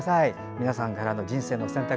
皆さんからの「人生の選択」